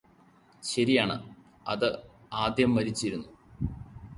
ശരിയാണ് അത് ആദ്യം മരിച്ചിരുന്നു